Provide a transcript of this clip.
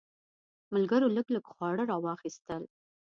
ملګرو لږ لږ خواړه راواخیستل.